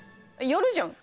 やるじゃん。